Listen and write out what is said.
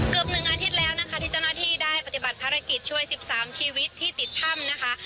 หนึ่งอาทิตย์แล้วนะคะที่เจ้าหน้าที่ได้ปฏิบัติภารกิจช่วย๑๓ชีวิตที่ติดถ้ำนะคะ